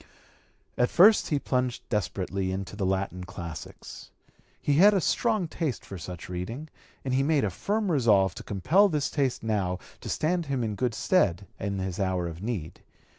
At first he plunged desperately into the Latin classics. He had a strong taste for such reading, and he made a firm resolve to compel this taste now to stand him in good stead in his hour of need.